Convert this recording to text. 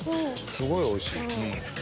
すごいおいしい。